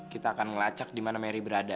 kita akan ngelacak dimana merry berada